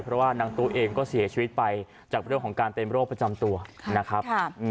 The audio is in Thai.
เพราะว่านางตู้เองก็เสียชีวิตไปจากเรื่องของการเป็นโรคประจำตัวนะครับ